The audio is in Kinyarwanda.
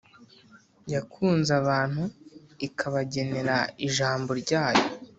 yakunze abantu ikabagenera ijambo ryayo